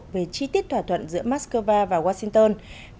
về chi tiết thỏa thuận giữa moscow và washington về lệnh ngừng bắn ở syri